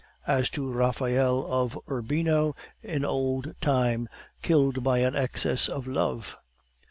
as to Raphael of Urbino, in old time, killed by an excess of love.